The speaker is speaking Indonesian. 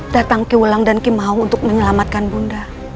datang kiulang dan kimau untuk menyelamatkan bunda